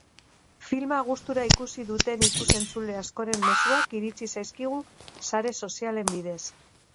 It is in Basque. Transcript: Filma gustura ikusi duten ikus-entzule askoren mezuak iritsi zaizkigu sare sozialen bidez.